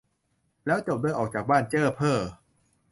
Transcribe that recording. แล้วจบด้วย "ออกจากบ้าน" เจ๊อเพ่อ